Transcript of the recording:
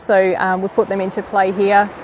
jadi kami membuatnya tergantung di sini